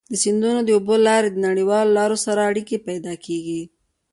د سیندونو د اوبو له لارې نړیوالو لارو سره اړيکي پيدا کیږي.